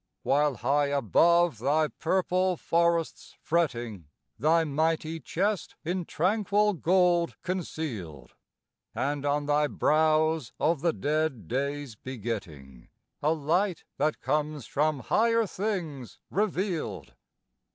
While high above thy purple forest's fretting Thy mighty chest in tranquil gold concealed, And on thy brows of the dead days begetting A light that comes from higher things revealed.